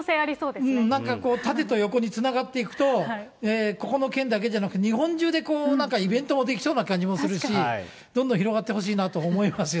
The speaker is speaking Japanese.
なんかこう、縦と横につながっていくと、ここの県だけじゃなく、日本中でイベントもできそうな感じもするし、どんどん広がってほしいなと思いますね。